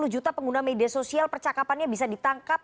satu ratus sepuluh juta pengguna media sosial percakapannya bisa ditangkap